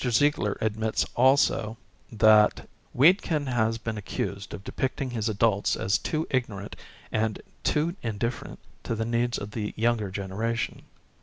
Ziegler admits also, that "Wedekind has been accused of depicting his adults as too ignorant and (too) indifferent to the needs of the younger generation."